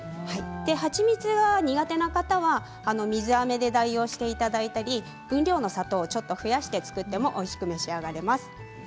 蜂蜜が苦手な方は水あめで代用していただいたり分量の砂糖をちょっと増やしてもおいしくいただけます。